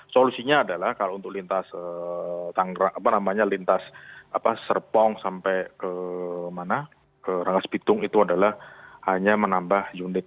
solusinya adalah kalau untuk lintas serpong sampai ke rangas bitung itu adalah hanya menambah unit